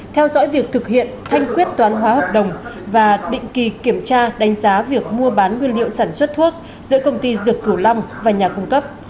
theo dõi việc thực hiện thanh quyết toán hóa hợp đồng và định kỳ kiểm tra đánh giá việc mua bán nguyên liệu sản xuất thuốc giữa công ty dược cửu long và nhà cung cấp